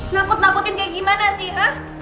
nakut nakutin kayak gimana sih ah